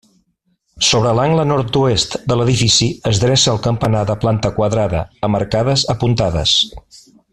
Sobre l'angle nord-oest de l'edifici es dreça el campanar de planta quadrada, amb arcades apuntades.